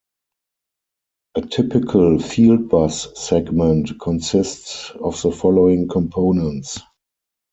A typical fieldbus segment consists of the following components.